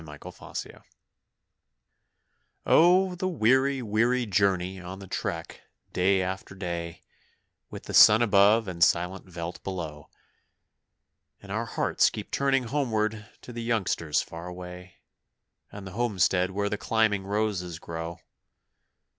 On the Trek Oh, the weary, weary journey on the trek, day after day, With sun above and silent veldt below; And our hearts keep turning homeward to the youngsters far away, And the homestead where the climbing roses grow.